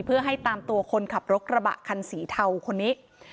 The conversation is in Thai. เพื่อให้ตามตัวคนขับรถกระบะคันสีเทาคนนี้